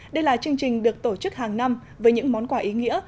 đây là chương trình được tổ chức hàng năm với những món quà ý nghĩa